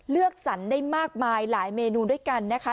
เลือกสรรได้มากมายหลายเมนูด้วยกันนะคะ